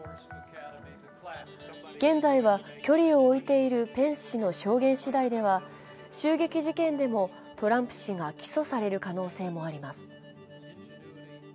現在は距離を置いているペンス氏の証言しだいでは襲撃事件でもトランプ氏が起訴される可能性もあります。